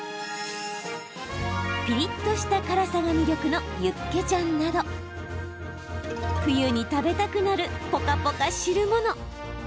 ピリっとした辛さが魅力のユッケジャンなど冬に食べたくなるポカポカ汁物。